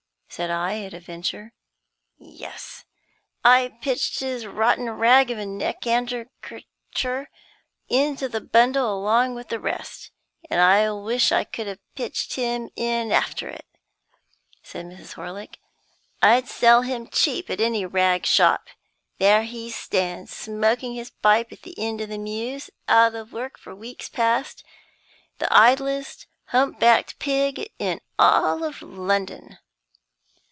said I, at a venture. "Yes; I pitched his rotten rag of a neck 'andkercher into the bundle along with the rest, and I wish I could have pitched him in after it," said Mrs. Horlick. "I'd sell him cheap at any ragshop. There he stands, smoking his pipe at the end of the Mews, out of work for weeks past, the idlest humpbacked pig in all London!"